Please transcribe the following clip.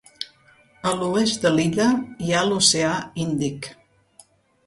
A l'oest de l'illa hi ha l'oceà Índic.